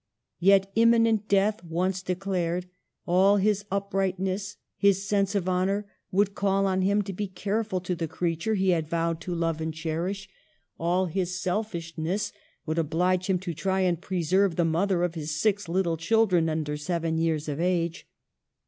Yet, imminent death once declared, all his upright ness, his sense of honor, would call on him to be careful to the creature he had vowed to love and cherish, all his selfishness would oblige him to try and preserve the mother of six little children under seven years of age.